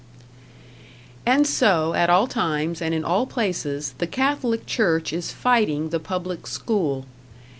And so, at all times and in all places, the Catholic Church is fighting the public school.